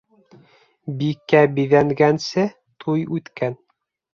Бикә биҙәнгәнсе, туй үткән.